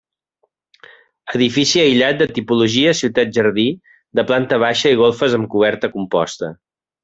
Edifici aïllat de tipologia ciutat-jardí de planta baixa i golfes amb coberta composta.